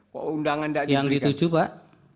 yang di tujuh pak